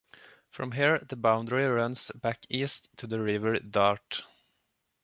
From here the boundary runs back east to the River Dart.